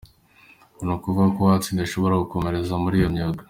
Ni ukuvuga ngo uwatsinda ashobora gukomereza muri iyo myuga.